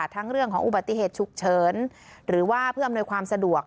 ทั้งเรื่องของอุบัติเหตุฉุกเฉินหรือว่าเพื่ออำนวยความสะดวก